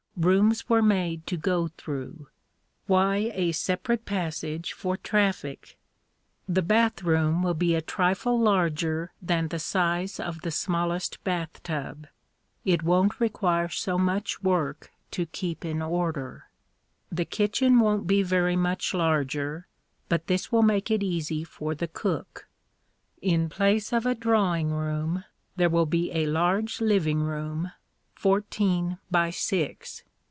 Rooms were made to go through. Why a separate passage for traffic? The bath room will be a trifle larger than the size of the smallest bath tub it won't require so much work to keep in order. The kitchen won't be very much larger, but this will make it easy for the cook. In place of a drawing room, there will be a large living room fourteen by six.